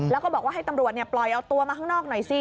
แล้วก็บอกว่าให้ตำรวจปล่อยเอาตัวมาข้างนอกหน่อยสิ